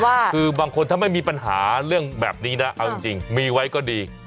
ว่าคือบางคนถ้าไม่มีปัญหาเรื่องแบบนี้นะเอาจริงมีไว้ก็ดี